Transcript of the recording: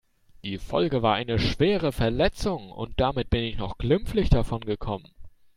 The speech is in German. Die Folge war eine schwere Verletzung und damit bin ich noch glimpflich davon gekommen.